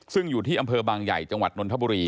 ซึ่งอยู่ที่อำเภอบางใหญ่จังหวัดนนทบุรี